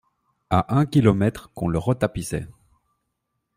À un kilomètre, qu’on le retapissait !